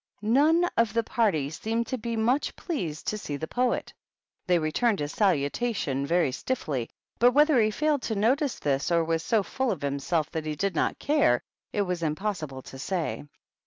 None of the party seemed to be much pleased to see the poet ; they returned his salutation very stiffly ; but whether he failed to notice this, or was so full of himself that he did not care, it was impossible to say.